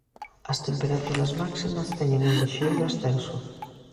As temperaturas máximas teñen un lixeiro ascenso.